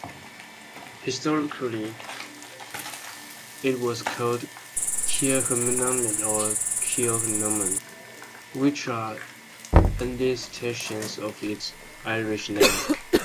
Historically it was called "Keerhannaun" or "Keerhanaun", which are anglicisations of its Irish name.